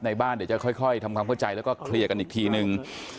บ้านเดี๋ยวจะค่อยทำความเข้าใจแล้วก็เคลียร์กันอีกทีนึง